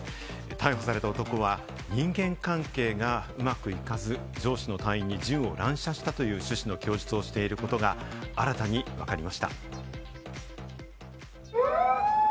逮捕された男は人間関係がうまくいかず、上司の隊員に銃を乱射したという趣旨の供述をしていることが新たにわかりました。